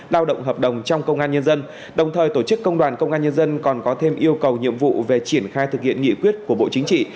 lao động hợp đồng trong công an nhân dân đồng thời tổ chức công đoàn công an nhân dân còn có thêm yêu cầu nhiệm vụ về triển khai thực hiện nghị quyết của bộ chính trị